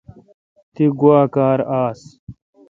تی گوا کار آس۔